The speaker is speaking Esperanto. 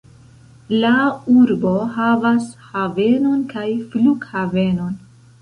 La urbo havas havenon kaj flughavenon.